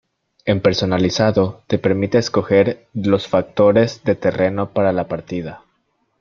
En personalizado te permite escoger los factores de terreno para la partida.